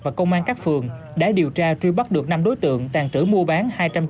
và công an các phường đã điều tra truy bắt được năm đối tượng tàn trữ mua bán